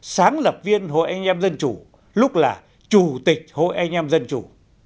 sáng lập viên hội anh em dân chủ lúc là chủ tịch hội anh em dân chủ